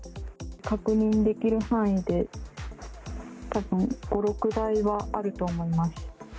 確認できる範囲で、たぶん５、６台はあると思います。